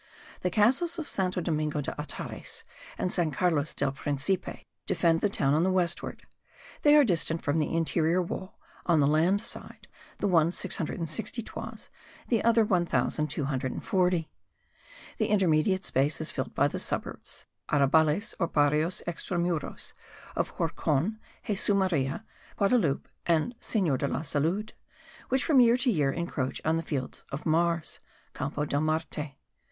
The castles of Santo Domingo de Atares and San Carlos del Principe defend the town on the westward; they are distant from the interior wall, on the land side, the one 660 toises, the other 1240. The intermediate space is filled by the suburbs (arrabales or barrios extra muros) of the Horcon, Jesu Maria, Guadaloupe and Senor de la Salud, which from year to year encroach on the Field of Mars (Campo de Marte).